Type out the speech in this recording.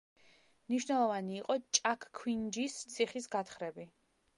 მნიშვნელოვანი იყო ჭაქვინჯის ციხის გათხრები.